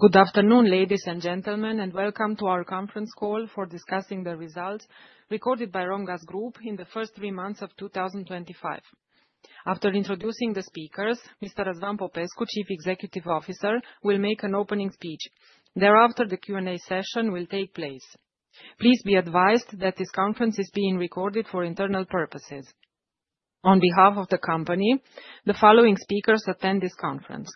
Good afternoon, ladies and gentlemen, and welcome to our conference call for discussing the results recorded by Romgaz Group in the first three months of 2025. After introducing the speakers, Mr. Aristotel Marius Jude, Chief Executive Officer, will make an opening speech. Thereafter, the Q&A session will take place. Please be advised that this conference is being recorded for internal purposes. On behalf of the company, the following speakers attend this conference: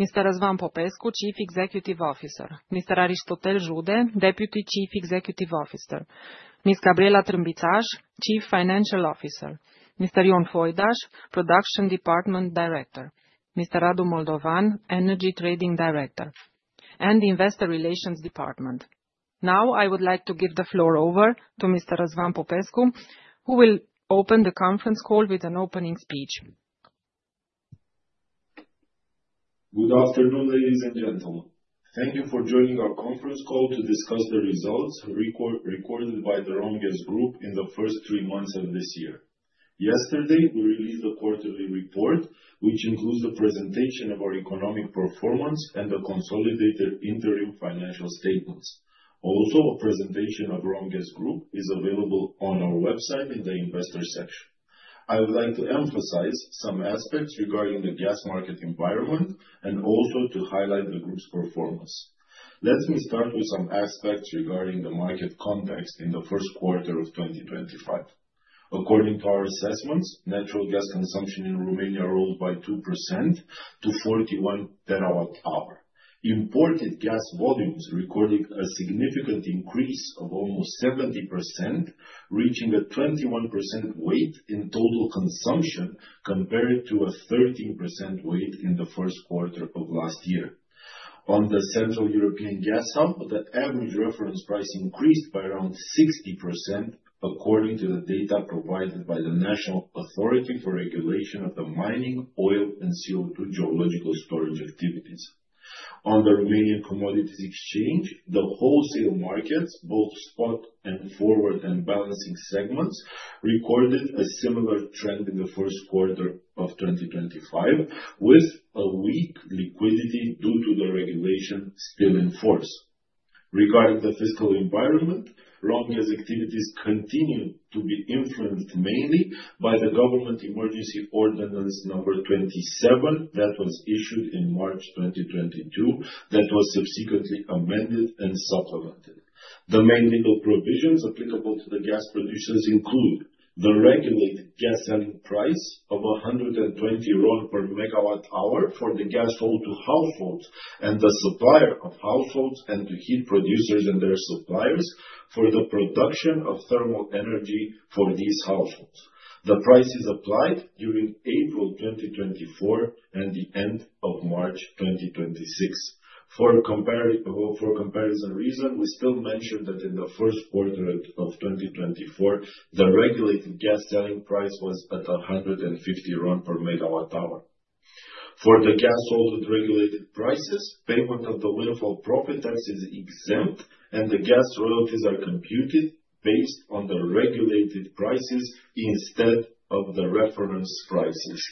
Mr. Aristotel Marius Jude, Chief Executive Officer, Mr. Aristotel Jude, Deputy Chief Executive Officer, Ms. Gabriela Trânbițaș, Chief Financial Officer, Mr. Ion Foidaș, Production Department Director, Mr. Radu Moldovan, Energy Trading Director, and Investor Relations Department. Now, I would like to give the floor over to Mr. Razvan popescu, who will open the conference call with an opening speech. Good afternoon, ladies and gentlemen. Thank you for joining our conference call to discuss the results recorded by the Romgaz Group in the first three months of this year. Yesterday, we released the quarterly report, which includes the presentation of our economic performance and the consolidated interim financial statements. Also, a presentation of Romgaz Group is available on our website in the Investor section. I would like to emphasize some aspects regarding the gas market environment and also to highlight the group's performance. Let me start with some aspects regarding the market context in the first quarter of 2025. According to our assessments, natural gas consumption in Romania rose by 2% to 41 TWh. Imported gas volumes recorded a significant increase of almost 70%, reaching a 21% weight in total consumption compared to a 13% weight in the first quarter of last year. On the Central European Gas Hub, the average reference price increased by around 60%, according to the data provided by the National Authority for Regulation of the Mining, Oil, and CO2 Geological Storage Activities. On the Romanian Commodities Exchange, the wholesale markets, both spot and forward and balancing segments, recorded a similar trend in the first quarter of 2025, with a weak liquidity due to the regulation still in force. Regarding the fiscal environment, Romgaz activities continue to be influenced mainly by the government emergency ordinance number 27 that was issued in March 2022, that was subsequently amended and supplemented. The main legal provisions applicable to the gas producers include the regulated gas selling price of RON 120 per megawatt-hour for the gas hold to households and the supplier of households and to heat producers and their suppliers for the production of thermal energy for these households. The price is applied during April 2024 and the end of March 2026. For comparison reasons, we still mentioned that in the first quarter of 2024, the regulated gas selling price was at RON 150 MWh. For the gas sold at regulated prices, payment of the windfall profit tax is exempt, and the gas royalties are computed based on the regulated prices instead of the reference prices.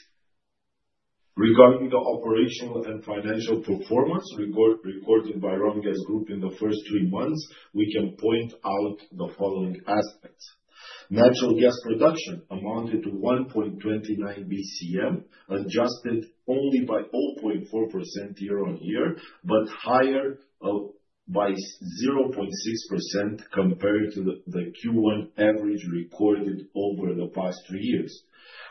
Regarding the operational and financial performance recorded by Romgaz Group in the first three months, we can point out the following aspects: natural gas production amounted to 1.29 BCM, adjusted only by 0.4% year-on-year, but higher by 0.6% compared to the Q1 average recorded over the past three years.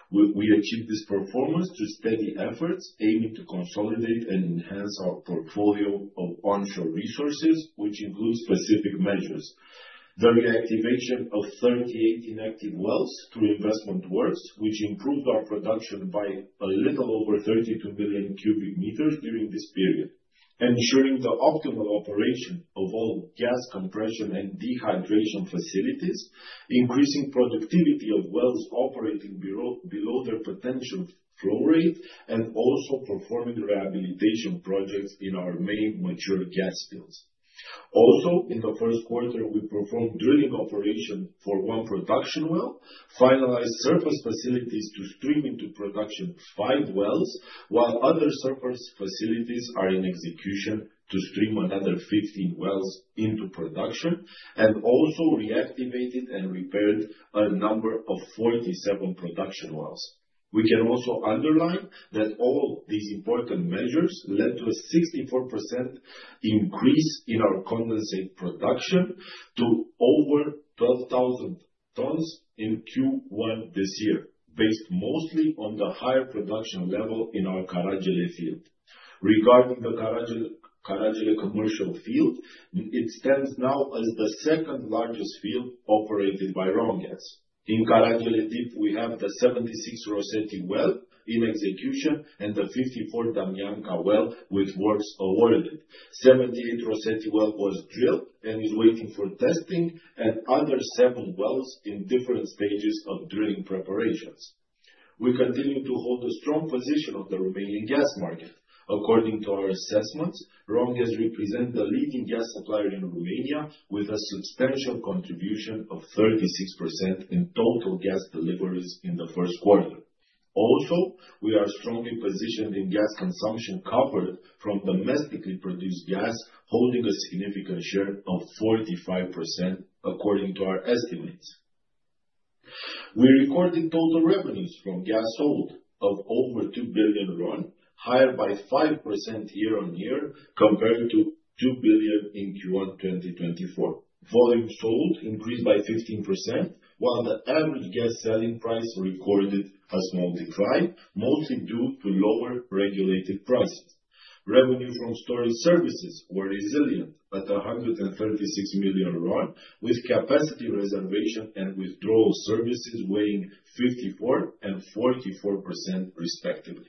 We achieved this performance through steady efforts aiming to consolidate and enhance our portfolio of onshore resources, which includes specific measures: the reactivation of 38 inactive wells through investment works, which improved our production by a little over 32 million cubic meters during this period. Ensuring the optimal operation of all gas compression and dehydration facilities, increasing productivity of wells operating below their potential flow rate, and also performing rehabilitation projects in our main mature gas fields. Also, in the first quarter, we performed drilling operation for one production well, finalized surface facilities to stream into production five wells, while other surface facilities are in execution to stream another 15 wells into production, and also reactivated and repaired a number of 47 production wells. We can also underline that all these important measures led to a 64% increase in our condensate production to over 12,000 tons in Q1 this year, based mostly on the higher production level in our Caragele field. Regarding the Caragele commercial field, it stands now as the second largest field operated by Romgaz. In Caragele deep, we have the 76 Rosetti well in execution and the 54 Damyanka well with works awarded. The 78 Rosetti well was drilled and is waiting for testing, and other seven wells in different stages of drilling preparations. We continue to hold a strong position on the Romanian gas market. According to our assessments, Romgaz represents the leading gas supplier in Romania with a substantial contribution of 36% in total gas deliveries in the first quarter. Also, we are strongly positioned in gas consumption covered from domestically produced gas, holding a significant share of 45% according to our estimates. We recorded total revenues from gas sold of over RON 2 billion, higher by 5% year-on-year compared to RON 2 billion in Q1 2024. Volume sold increased by 15%, while the average gas selling price recorded has multiplied, mostly due to lower regulated prices. Revenue from storage services were resilient at RON 136 million, with capacity reservation and withdrawal services weighing 54% and 44% respectively.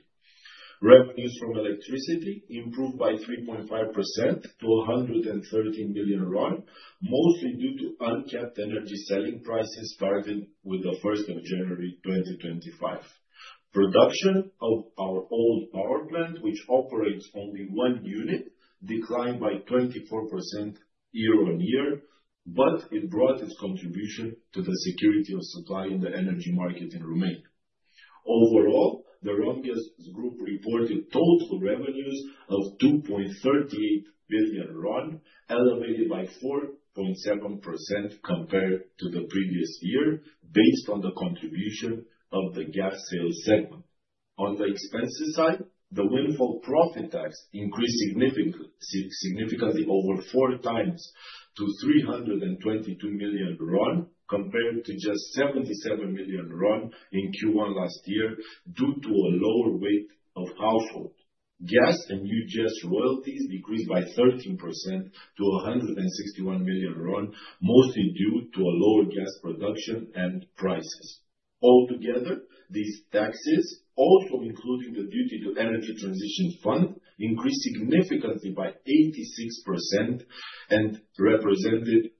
Revenues from electricity improved by 3.5% to RON 113 million, mostly due to uncapped energy selling prices started with the 1st of January 2025. Production of our old power plant, which operates only one unit, declined by 24% year-on-year, but it brought its contribution to the security of supply in the energy market in Romania. Overall, the Romgaz Group reported total revenues of RON 2.38 billion, elevated by 4.7% compared to the previous year, based on the contribution of the gas sales segment. On the expenses side, the windfall profit tax increased significantly over four times to RON 322 million, compared to just RON 77 million in Q1 last year due to a lower weight of household. Gas and new gas royalties decreased by 13% to RON 161 million, mostly due to lower gas production and prices. Altogether, these taxes, also including the duty to energy transition fund, increased significantly by 86% and represented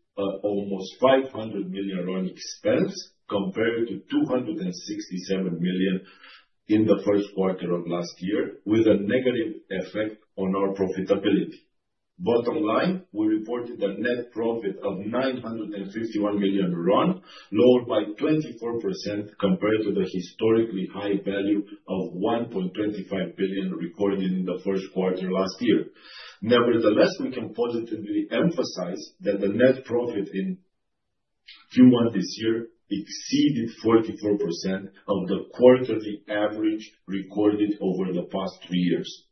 almost RON 500 million expense compared to RON 267 million in the first quarter of last year, with a negative effect on our profitability. Bottom line, we reported a net profit of RON 951 million, lower by 24% compared to the historically high value of RON 1.25 billion recorded in the first quarter last year. Nevertheless, we can positively emphasize that the net profit in Q1 this year exceeded 44% of the quarterly average recorded over the past three years.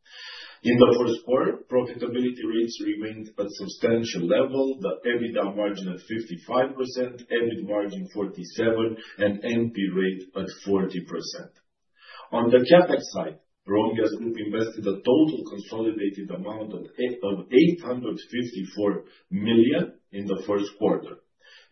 In the first quarter, profitability rates remained at substantial level: the EBITDA margin at 55%, EBIT margin 47%, and NP rate at 40%. On the CapEx side, Romgaz Group invested a total consolidated amount of RON 854 million in the first quarter.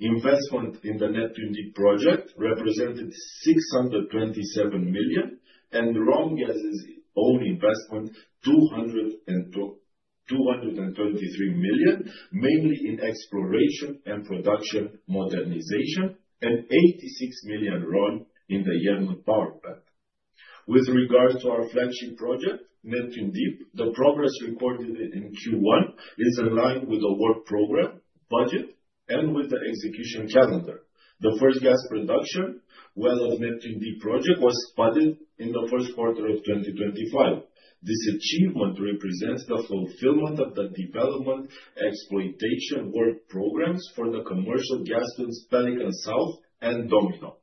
Investment in the Neptune Deep project represented RON 627 million, and Romgaz's own investment RON 223 million, mainly in exploration and production modernization, and RON 86 million in the Iernut power plant. With regards to our flagship project, Neptune Deep, the progress recorded in Q1 is in line with the work program, budget, and with the execution calendar. The first gas production well of Neptune Deep project was spotted in the first quarter of 2025. This achievement represents the fulfillment of the development exploitation work programs for the commercial gas fields Pelican South and Domino.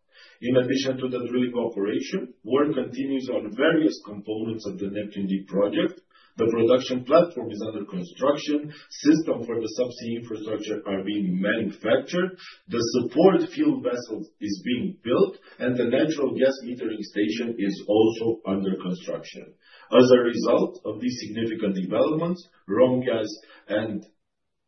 In addition to the drilling operation, work continues on various components of the Neptune Deep project. The production platform is under construction, systems for the subsea infrastructure are being manufactured, the support field vessels are being built, and the natural gas metering station is also under construction. As a result of these significant developments, Romgaz and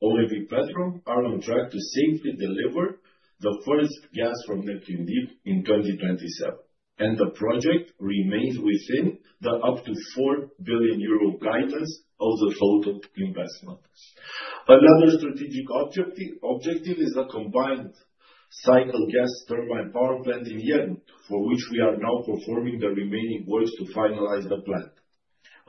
OMV Petrom are on track to safely deliver the first gas from Neptune Deep in 2027, and the project remains within the up to 4 billion euro guidance of the total investment. Another strategic objective is a combined cycle gas turbine power plant in Iernut, for which we are now performing the remaining works to finalize the plant.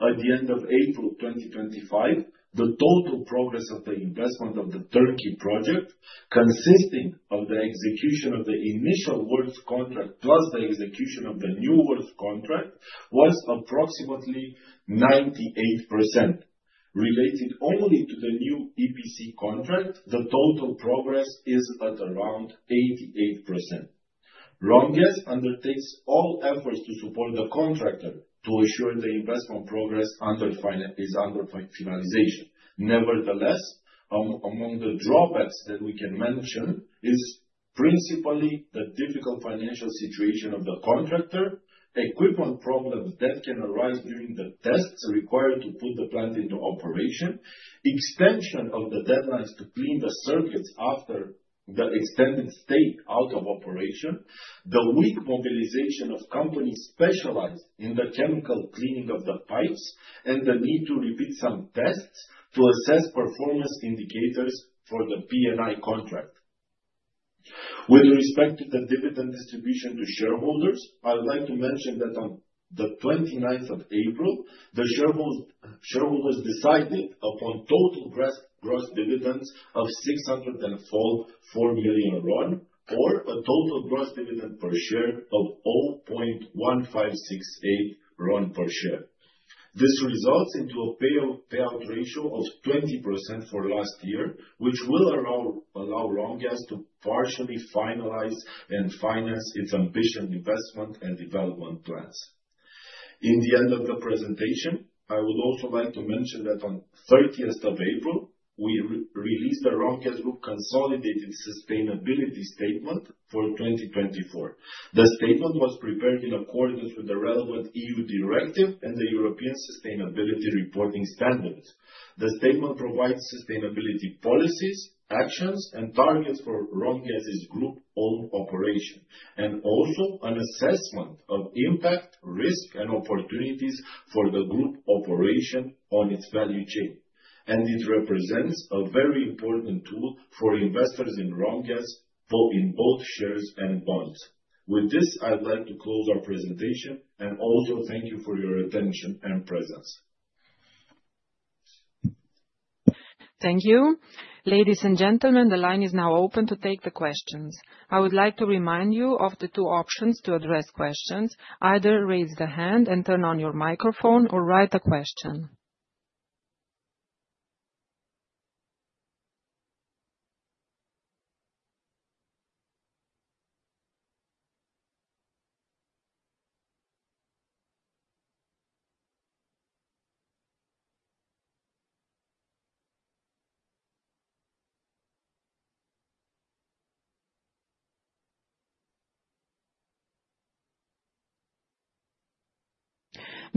At the end of April 2025, the total progress of the investment of the Iernut project, consisting of the execution of the initial works contract plus the execution of the new works contract, was approximately 98%. Related only to the new EPC contract, the total progress is at around 88%. Romgaz undertakes all efforts to support the contractor to ensure the investment progress is under finalization. Nevertheless, among the drawbacks that we can mention is principally the difficult financial situation of the contractor, equipment problems that can arise during the tests required to put the plant into operation, extension of the deadlines to clean the circuits after the extended stay out of operation, the weak mobilization of companies specialized in the chemical cleaning of the pipes, and the need to repeat some tests to assess performance indicators for the P&I contract. With respect to the dividend distribution to shareholders, I would like to mention that on the 29th of April, the shareholders decided upon total gross dividends of RON 604 million, or a total gross dividend per share of RON 0.1568 per share. This results in a payout ratio of 20% for last year, which will allow Romgaz to partially finalize and finance its ambitious investment and development plans. In the end of the presentation, I would also like to mention that on the 30th of April, we released the Romgaz Group consolidated sustainability statement for 2024. The statement was prepared in accordance with the relevant EU directive and the European Sustainability Reporting Standards. The statement provides sustainability policies, actions, and targets for Romgaz Group-owned operation, and also an assessment of impact, risk, and opportunities for the group operation on its value chain. It represents a very important tool for investors in Romgaz in both shares and bonds. With this, I'd like to close our presentation and also thank you for your attention and presence. Thank you. Ladies and gentlemen, the line is now open to take the questions. I would like to remind you of the two options to address questions. Either raise the hand and turn on your microphone, or write a question.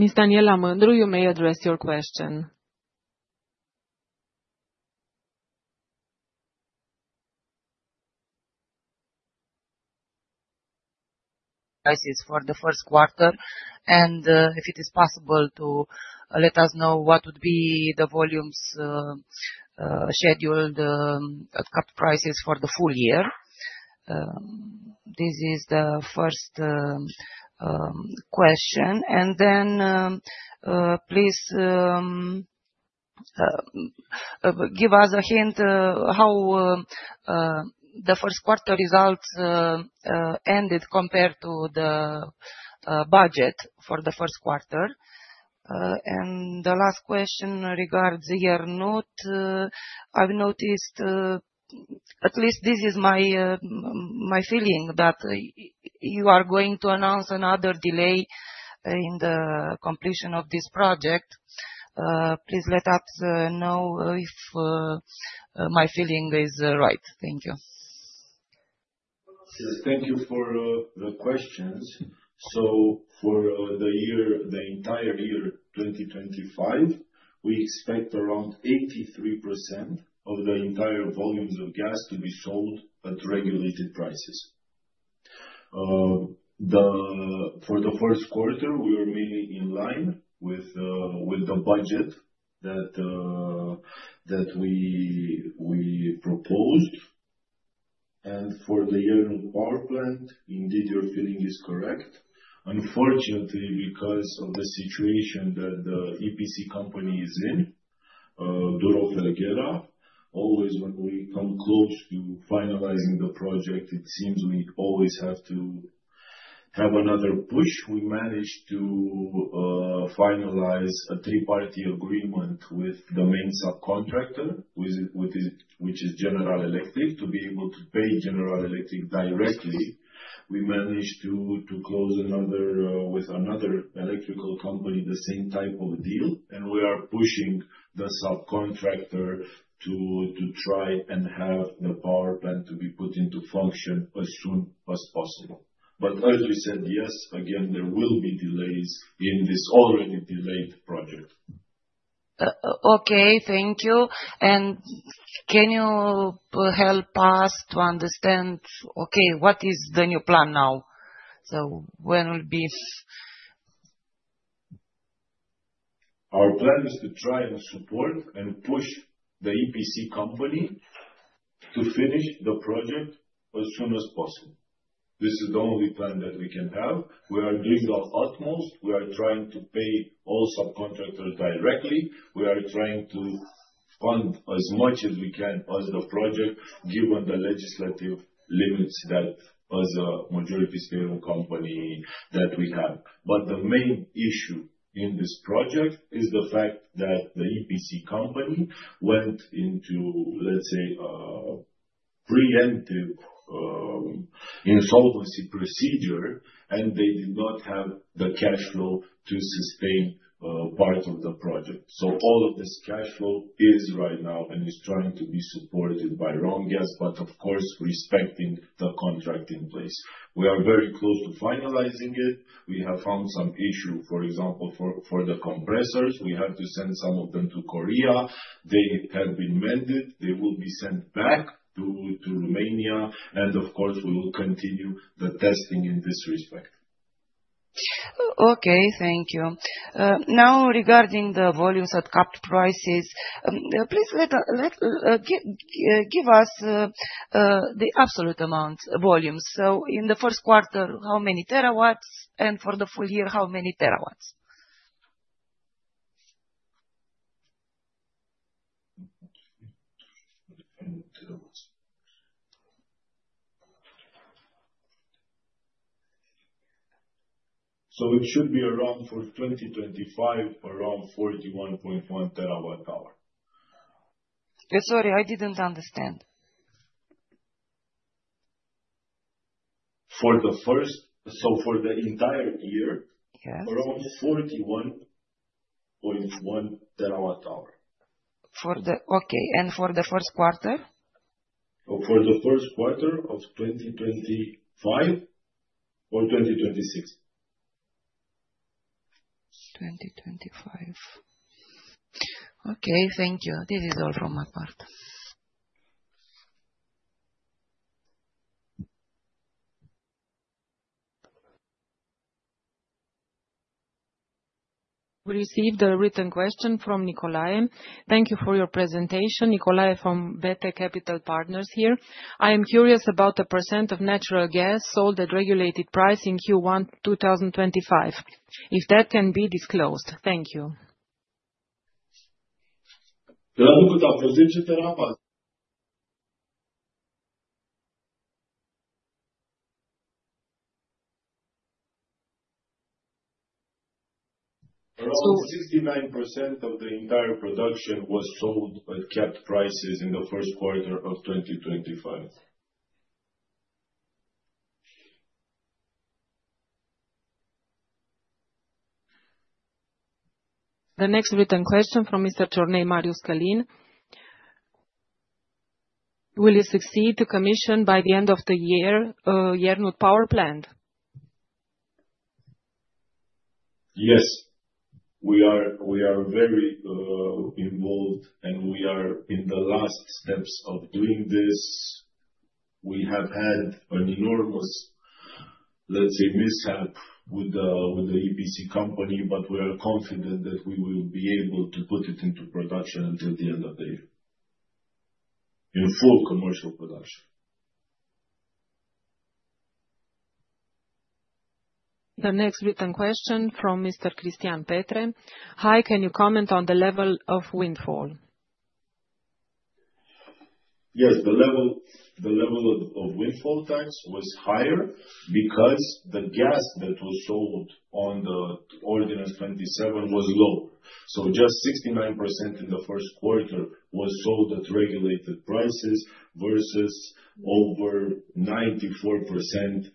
Ms. Daniela Mândru, you may address your question. Prices for the first quarter, and if it is possible to let us know what would be the volumes scheduled at cap prices for the full year. This is the first question. Please give us a hint how the first quarter results ended compared to the budget for the first quarter. The last question regards the Iernut. I've noticed, at least this is my feeling, that you are going to announce another delay in the completion of this project. Please let us know if my feeling is right. Thank you. Thank you for the questions. For the entire year 2025, we expect around 83% of the entire volumes of gas to be sold at regulated prices. For the first quarter, we were mainly in line with the budget that we proposed. For the Iernut power plant, indeed, your feeling is correct. Unfortunately, because of the situation that the EPC company is in, Duro Felguera, always when we come close to finalizing the project, it seems we always have to have another push. We managed to finalize a three-party agreement with the main subcontractor, which is General Electric, to be able to pay General Electric directly. We managed to close with another electrical company the same type of deal, and we are pushing the subcontractor to try and have the power plant to be put into function as soon as possible. As we said, yes, again, there will be delays in this already delayed project. Thank you. Can you help us to understand, what is the new plan now? When will be? Our plan is to try and support and push the EPC company to finish the project as soon as possible. This is the only plan that we can have. We are doing our utmost. We are trying to pay all subcontractors directly. We are trying to fund as much as we can as the project, given the legislative limits that as a majority stable company that we have. The main issue in this project is the fact that the EPC company went into, let's say, a preemptive insolvency procedure, and they did not have the cash flow to sustain part of the project. All of this cash flow is right now and is trying to be supported by Romgaz, of course, respecting the contract in place. We are very close to finalizing it. We have found some issues, for example, for the compressors. We have to send some of them to Korea. They have been mended. They will be sent back to Romania. Of course, we will continue the testing in this respect. Okay, thank you. Now, regarding the volumes at cap prices, please give us the absolute amount volumes. In the first quarter, how many terawatt hour? And for the full year, how many terawatt hour? It should be around for 2025, around 41.1 TWh. Sorry, I did not understand. For the first, for the entire year, around 41.1 TWh. Okay. And for the first quarter? For the first quarter of 2025 or 2026. 2025. Okay, thank you. This is all from my part. We received a written question from Nikolaya. Thank you for your presentation. Nikolaya from Bete Capital Partners here. I am curious about the % of natural gas sold at regulated price in Q1 2025, if that can be disclosed. Thank you. Can you present your terawatt? Around 69% of the entire production was sold at cap prices in the first quarter of 2025. The next written question from Mr. Tornay Marius Kalin. Will you succeed to commission by the end of the year Iernut power plant? Yes. We are very involved, and we are in the last steps of doing this. We have had an enormous, let's say, mishap with the EPC company, but we are confident that we will be able to put it into production until the end of the year, in full commercial production. The next written question from Mr. Christian Petre. Hi, can you comment on the level of windfall? Yes, the level of windfall tax was higher because the gas that was sold on the ordinance 27 was low. Just 69% in the first quarter was sold at regulated prices versus over 94%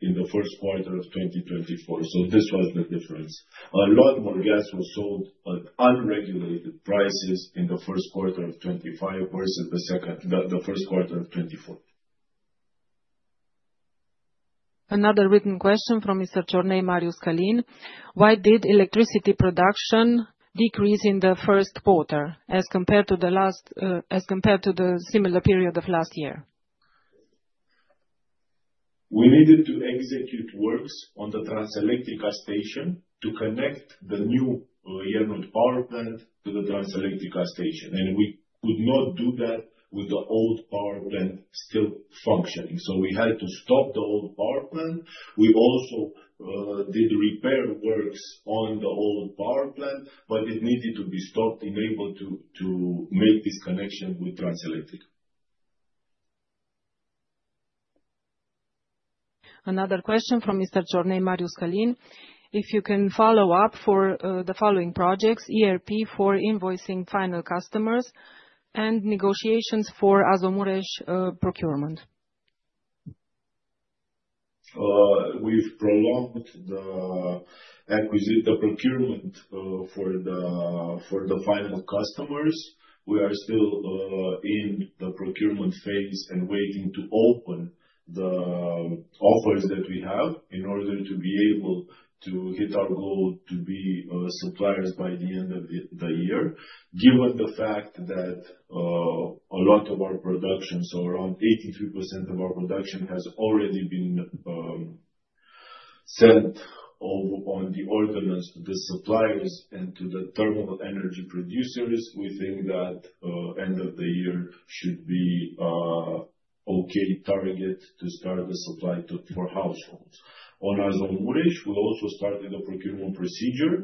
in the first quarter of 2024. This was the difference. A lot more gas was sold at unregulated prices in the first quarter of 2025 versus the first quarter of 2024. Another written question from Mr. Tornay Marius Kalin. Why did electricity production decrease in the first quarter as compared to the similar period of last year? We needed to execute works on the Transelectrica station to connect the new Iernut power plant to the Transelectrica station. We could not do that with the old power plant still functioning. We had to stop the old power plant. We also did repair works on the old power plant, but it needed to be stopped in order to make this connection with Transelectrica. Another question from Mr. Tornay Marius Kalin. If you can follow up for the following projects, ERP for invoicing final customers and negotiations for Azomureș procurement. We've prolonged the procurement for the final customers. We are still in the procurement phase and waiting to open the offers that we have in order to be able to hit our goal to be suppliers by the end of the year, given the fact that a lot of our production, so around 83% of our production, has already been sent on the ordinance to the suppliers and to the thermal energy producers. We think that end of the year should be an okay target to start the supply for households. On Azomureș, we also started a procurement procedure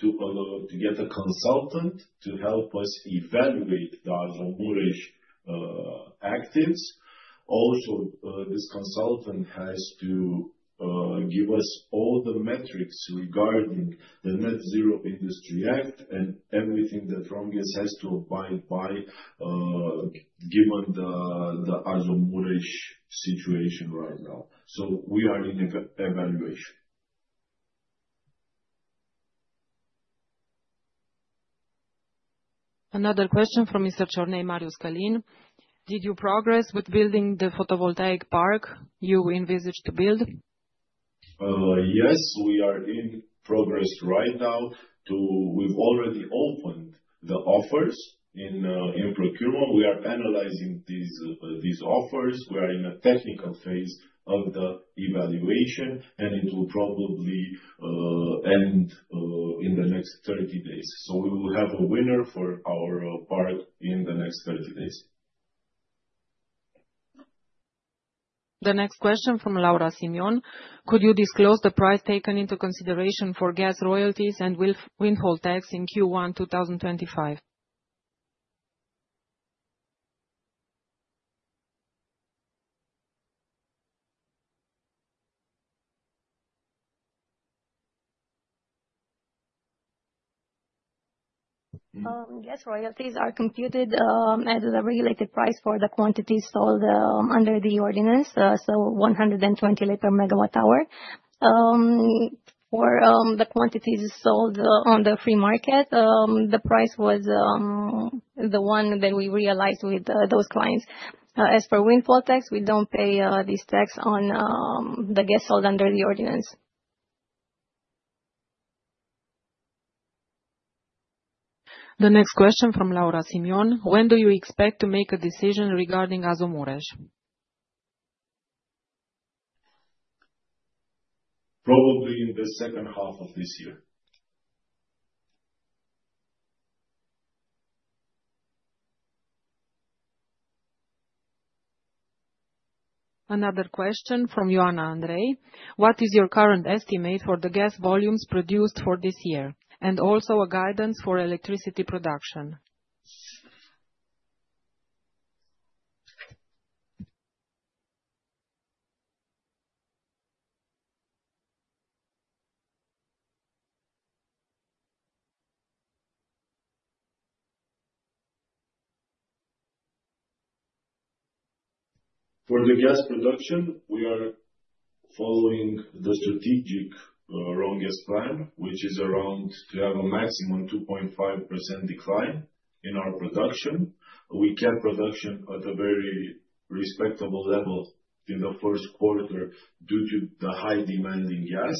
to get a consultant to help us evaluate the Azomureș actives. Also, this consultant has to give us all the metrics regarding the Net Zero Industry Act and everything that Romgaz has to abide by given the Azomureș situation right now. We are in evaluation. Another question from Mr. Tornay Marius Kalin. Did you progress with building the photovoltaic park you envisaged to build? Yes, we are in progress right now. We've already opened the offers in procurement. We are penalizing these offers. We are in a technical phase of the evaluation, and it will probably end in the next 30 days. We will have a winner for our part in the next 30 days. The next question from Laura Simeon. Could you disclose the price taken into consideration for gas royalties and windfall tax in Q1 2025? Yes, royalties are computed at the regulated price for the quantities sold under the ordinance, so 120 liter per megawatt hour. For the quantities sold on the free market, the price was the one that we realized with those clients. As for windfall tax, we do not pay this tax on the gas sold under the ordinance. The next question from Laura Simeon. When do you expect to make a decision regarding Azomureș? Probably in the second half of this year. Another question from Joanna Andrei. What is your current estimate for the gas volumes produced for this year? And also a guidance for electricity production. For the gas production, we are following the strategic Romgaz plan, which is around to have a maximum 2.5% decline in our production. We kept production at a very respectable level in the first quarter due to the high demand in gas.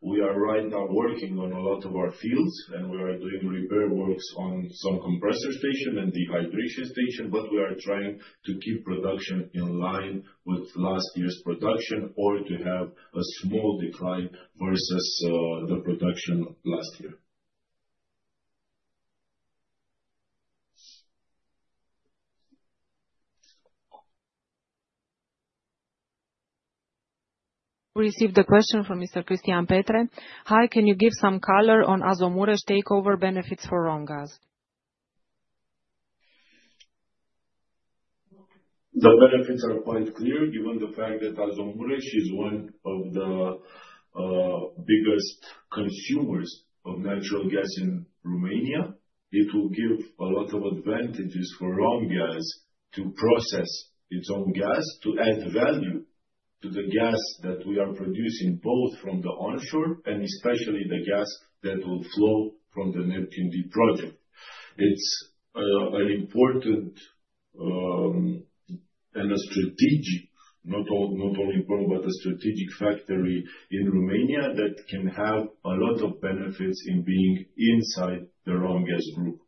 We are right now working on a lot of our fields, and we are doing repair works on some compressor station and the hydration station, but we are trying to keep production in line with last year's production or to have a small decline versus the production last year. We received a question from Mr. Christian Petre. Hi, can you give some color on Azomureș takeover benefits for Romgaz? The benefits are quite clear, given the fact that Azomureș is one of the biggest consumers of natural gas in Romania. It will give a lot of advantages for Romgaz to process its own gas, to add value to the gas that we are producing both from the onshore and especially the gas that will flow from the Neptune Deep project. It's an important and a strategic, not only important, but a strategic factory in Romania that can have a lot of benefits in being inside the Romgaz Group.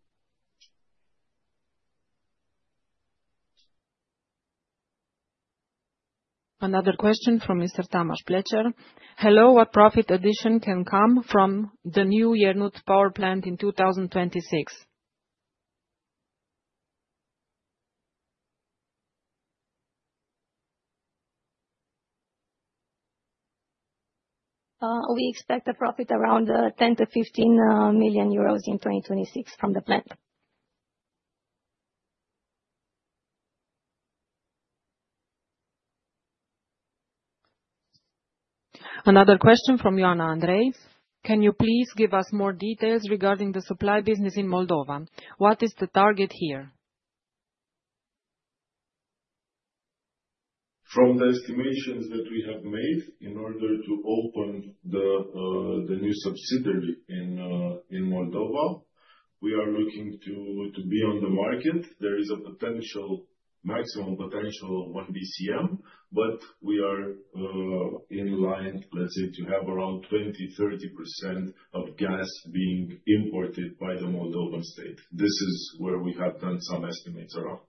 Another question from Mr. Tamas Pletcher. Hello, what profit addition can come from the new Iernut power plant in 2026? We expect a profit around 10-15 million euros in 2026 from the plant. Another question from Joanna Andrei. Can you please give us more details regarding the supply business in Moldova? What is the target here? From the estimations that we have made in order to open the new subsidiary in Moldova, we are looking to be on the market. There is a maximum potential of 1 BCM, but we are in line, let's say, to have around 20-30% of gas being imported by the Moldovan state. This is where we have done some estimates around.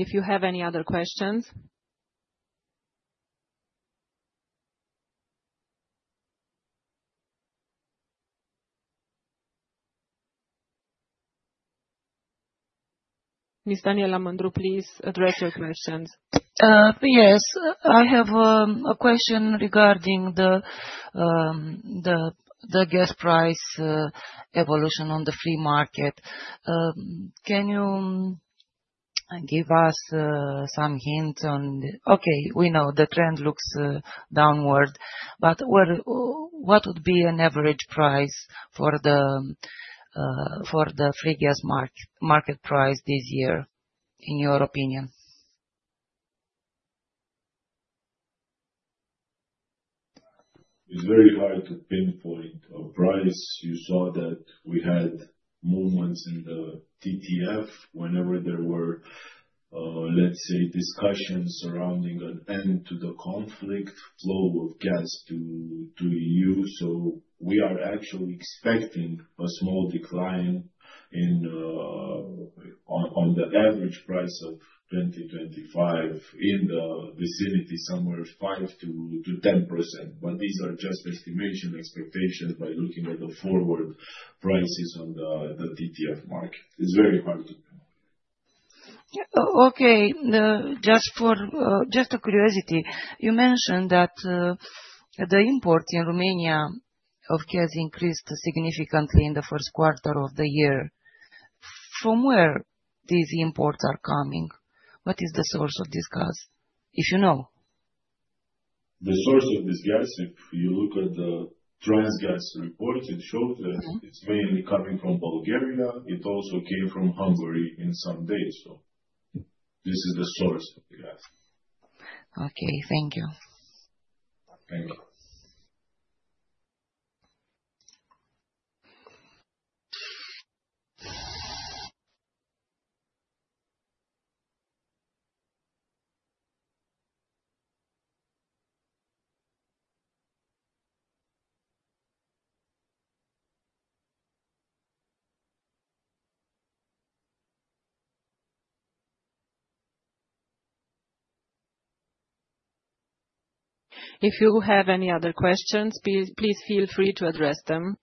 If you have any other questions. Ms. Daniela Mândru, please address your questions. Yes, I have a question regarding the gas price evolution on the free market. Can you give us some hints on the—okay, we know the trend looks downward, but what would be an average price for the free gas market price this year, in your opinion? It's very hard to pinpoint a price. You saw that we had movements in the TTF whenever there were, let's say, discussions surrounding an end to the conflict flow of gas to the EU. We are actually expecting a small decline on the average price of 2025 in the vicinity, somewhere 5%-10%. These are just estimation expectations by looking at the forward prices on the TTF market. It's very hard to know. Okay. Just a curiosity, you mentioned that the import in Romania of gas increased significantly in the first quarter of the year. From where these imports are coming? What is the source of this gas, if you know? The source of this gas, if you look at the Transgaz report, it showed that it's mainly coming from Bulgaria. It also came from Hungary in some days. So this is the source of the gas. Okay. Thank you. Thank you. If you have any other questions, please feel free to address them.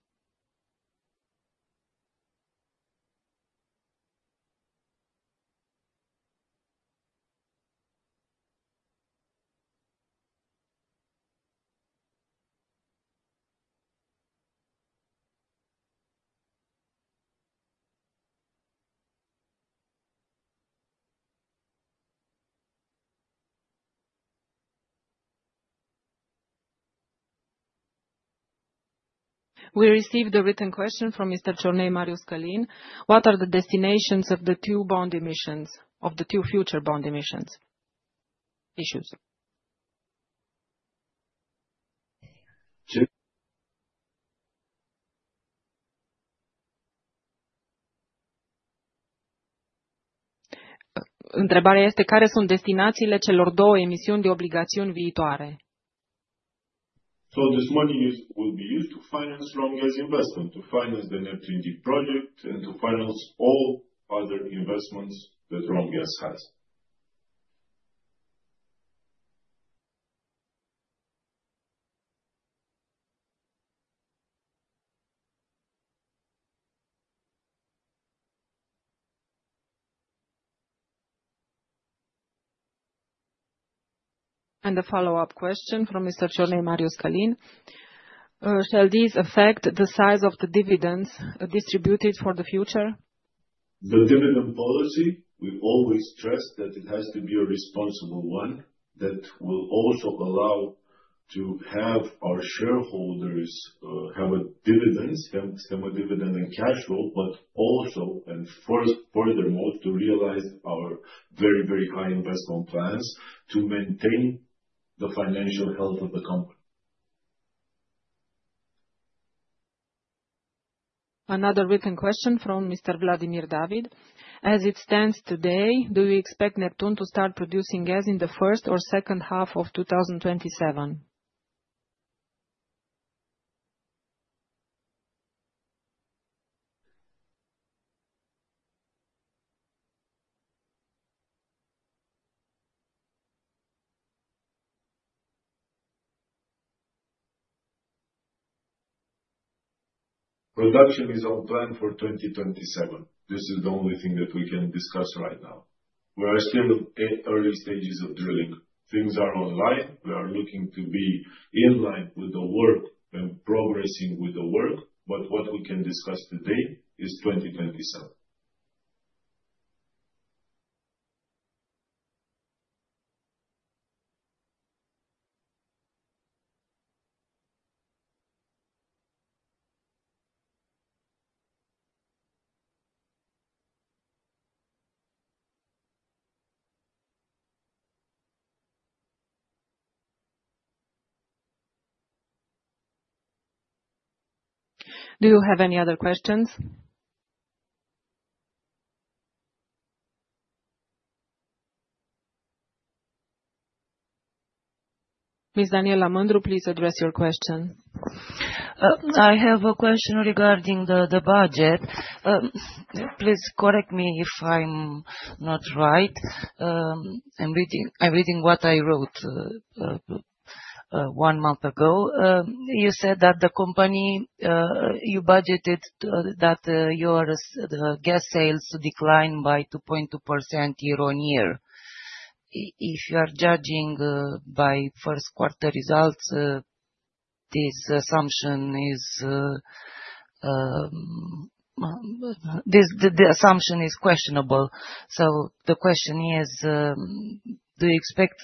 We received a written question from Mr. Tornay Marius Kalin. What are the destinations of the two bond emissions, of the two future bond emissions issues? Întrebarea este: care sunt destinațiile celor două emisiuni de obligațiuni viitoare? This money will be used to finance Romgaz investment, to finance the Neptune Deep project, and to finance all other investments that Romgaz has. A follow-up question from Mr. Tornay Marius Kalin. Shall these affect the size of the dividends distributed for the future? The dividend policy, we always stress that it has to be a responsible one that will also allow our shareholders to have a dividend, have a dividend and cash flow, but also, and furthermore, to realize our very, very high investment plans to maintain the financial health of the company. Another written question from Mr. Vladimir David. As it stands today, do we expect Neptune to start producing gas in the first or second half of 2027? Production is on plan for 2027. This is the only thing that we can discuss right now. We are still in early stages of drilling. Things are online. We are looking to be in line with the work and progressing with the work, but what we can discuss today is 2027. Do you have any other questions? Ms. Daniela Mândru, please address your question. I have a question regarding the budget. Please correct me if I'm not right. I'm reading what I wrote one month ago. You said that the company you budgeted that your gas sales to decline by 2.2% year on year. If you are judging by first quarter results, this assumption is questionable. The question is, do you expect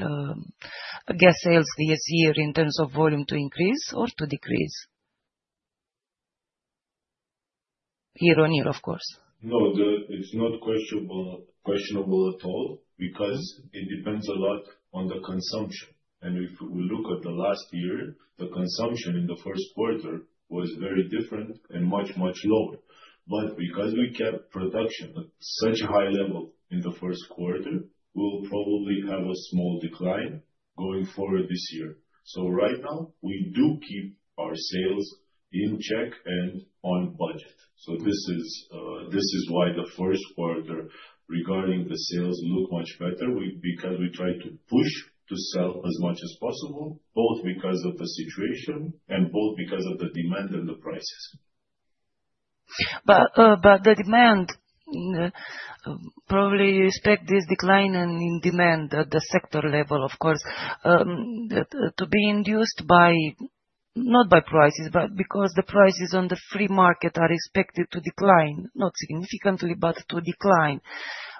the gas sales this year in terms of volume to increase or to decrease? Year on year, of course. No, it's not questionable at all because it depends a lot on the consumption. If we look at last year, the consumption in the first quarter was very different and much, much lower. Because we kept production at such a high level in the first quarter, we will probably have a small decline going forward this year. Right now, we do keep our sales in check and on budget. This is why the first quarter regarding the sales looked much better, because we tried to push to sell as much as possible, both because of the situation and both because of the demand and the prices. The demand, probably you expect this decline in demand at the sector level, of course, to be induced not by prices, but because the prices on the free market are expected to decline, not significantly, but to decline.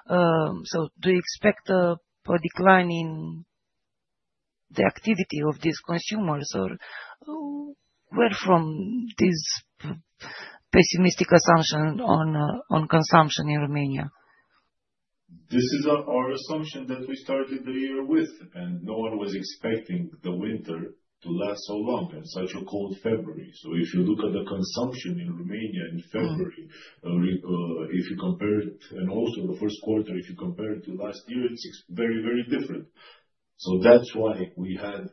Do you expect a decline in the activity of these consumers? Where from this pessimistic assumption on consumption in Romania? This is our assumption that we started the year with, and no one was expecting the winter to last so long in such a cold February. If you look at the consumption in Romania in February, if you compare it, and also the first quarter, if you compare it to last year, it is very, very different. That is why we had,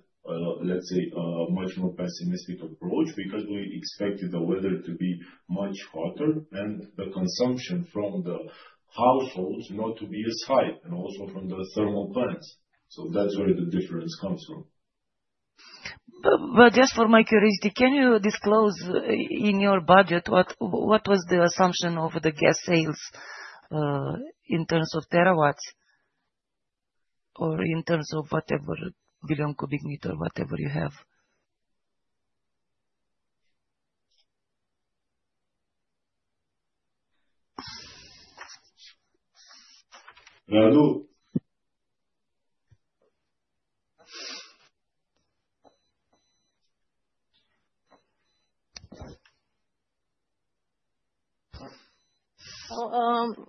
let's say, a much more pessimistic approach because we expected the weather to be much hotter and the consumption from the households not to be as high and also from the thermal plants. That is where the difference comes from. Just for my curiosity, can you disclose in your budget what was the assumption of the gas sales in terms of terawatt-hours or in terms of whatever billion cubic meters, whatever you have?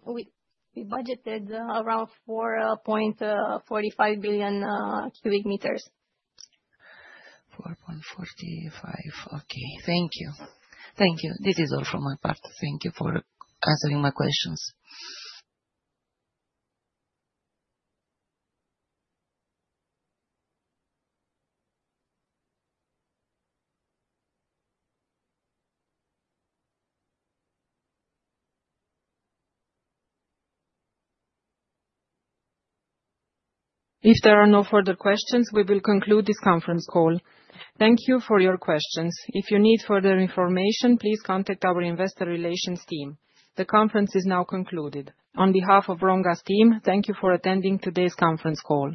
We budgeted around 4.45 billion cubic meters. 4.45. Okay. Thank you. Thank you. This is all from my part. Thank you for answering my questions. If there are no further questions, we will conclude this conference call. Thank you for your questions. If you need further information, please contact our investor relations team. The conference is now concluded. On behalf of Romgaz team, thank you for attending today's conference call.